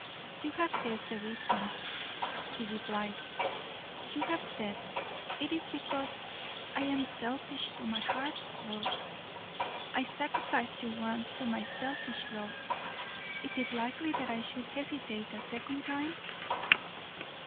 "You have guessed the reason," he replied. "You have said it is because I am selfish to my heart's core. I sacrificed you once to my selfish love; is it likely that I should hesitate a second time?"